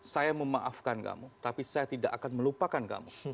saya memaafkan kamu tapi saya tidak akan melupakan kamu